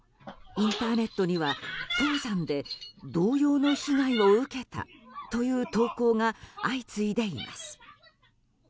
インターネットには唐山で同様の被害を受けたという投稿が相次いでいます。